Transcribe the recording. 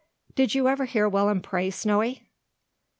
Did you ever hear Will'm pray, Snowy?"